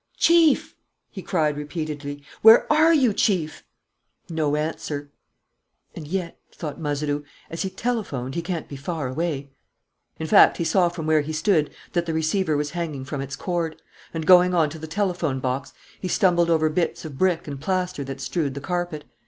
"Chief!" he cried, repeatedly. "Where are you, Chief?" No answer. "And yet," thought Mazeroux, "as he telephoned, he can't be far away." In fact, he saw from where he stood that the receiver was hanging from its cord; and, going on to the telephone box, he stumbled over bits of brick and plaster that strewed the carpet.